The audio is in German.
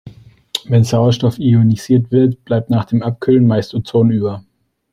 Wenn Sauerstoff ionisiert wird, bleibt nach dem Abkühlen meist Ozon über.